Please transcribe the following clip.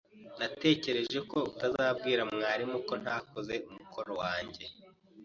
Natekereje ko utazabwira mwarimu ko ntakoze umukoro wanjye.